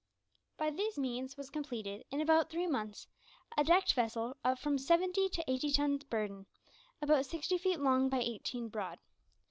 By these means was completed, in about three months, a decked vessel of from seventy to eighty tons burden about sixty feet long by eighteen broad.